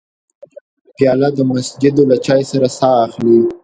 پیاله د مسجدو له چای سره ساه اخلي.